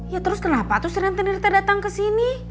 ya terus kenapa tuh si rentenir tuh datang ke sini